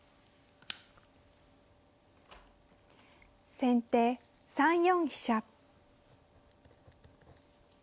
先手３四飛車。